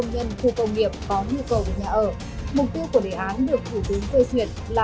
mục tiêu của đề án được thủ tướng phê duyệt là